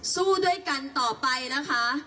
สู้ด้วยกันต่อไปนะคะ